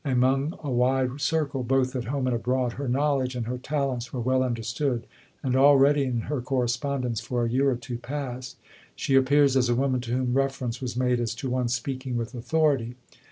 Among a wide circle, both at home and abroad, her knowledge and her talents were well understood; and already, in her correspondence for a year or two past, she appears as a woman to whom reference was made as to one speaking with authority.